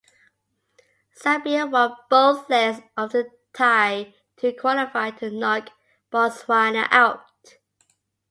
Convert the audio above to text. Zambia won both legs of the tie to qualify and knock Botswana out.